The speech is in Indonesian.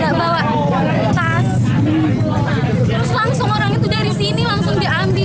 terus langsung orang itu dari sini langsung diambil